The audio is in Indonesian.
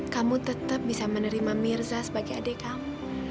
kamu tetap bisa menerima mirza sebagai adik kamu